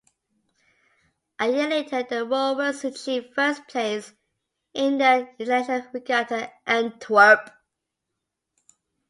A year later the rowers achieved first place in the international regatta in Antwerp.